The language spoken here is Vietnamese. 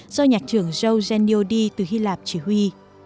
do nhạc trưởng joe geniodi từ hy lạp chỉ huy